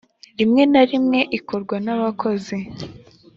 rimwe na rimwe ikorwa n abakozi